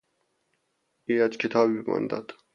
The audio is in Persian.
ایرج کتابی به من داد.